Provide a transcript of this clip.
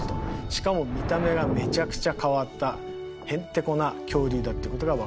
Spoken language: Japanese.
しかも見た目がめちゃくちゃ変わったへんてこな恐竜だっていうことが分かってきました。